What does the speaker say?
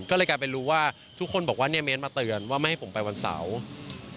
ก็เลยกลายเป็นรู้ว่าทุกคนบอกว่าเนี่ยเม้นมาเตือนว่าไม่ให้ผมไปวันเสาร์